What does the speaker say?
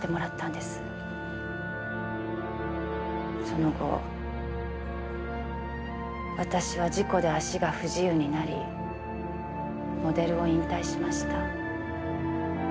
その後私は事故で足が不自由になりモデルを引退しました。